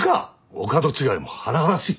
お門違いも甚だしい。